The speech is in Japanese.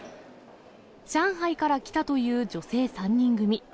上海から来たという女性３人組。